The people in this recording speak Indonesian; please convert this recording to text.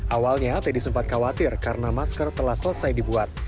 awalnya teddy sempat khawatir karena masker telah selesai dibuat